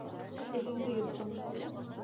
Телеңде йоттоңмо әллә?